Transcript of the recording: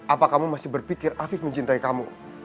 apa kamu masih berpikir afif mencintai kamu